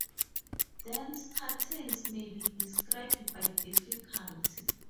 Dance patterns may be described by difficulty.